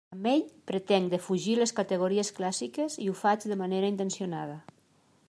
Amb ell pretenc defugir les categories clàssiques i ho faig de manera intencionada.